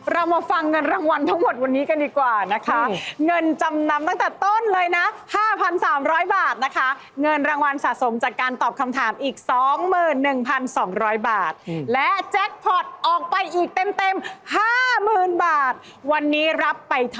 เราท้าเข้าไปแล้วด้วยเขาเลยเต็มอย่างนี้